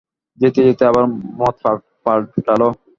যেতে যেতে আবার মত পালটাল।